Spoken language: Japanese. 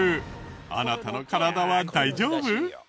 あなたの体は大丈夫？